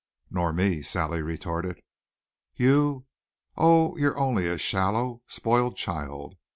"Nor me," Sally retorted. "You! Oh, you're only a shallow spoiled child!